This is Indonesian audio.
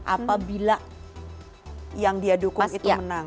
apabila yang dia dukung itu menang